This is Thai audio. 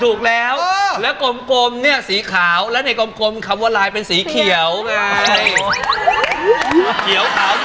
ถูกแล้วแล้วกลมเนี่ยสีขาวและในกลมคำว่าลายเป็นสีเขียวไง